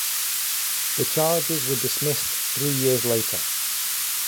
The charges were dismissed three years later.